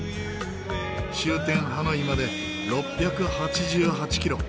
終点ハノイまで６８８キロ